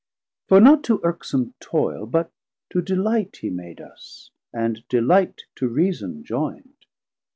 For not to irksom toile, but to delight He made us, and delight to Reason joyn'd.